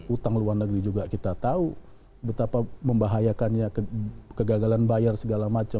utang luar negeri juga kita tahu betapa membahayakannya kegagalan bayar segala macam